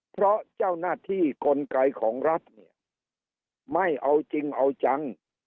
เพราะเจ้าหน้าที่กลไกของรัฐเนี่ยไม่เอาจริงเอาจัง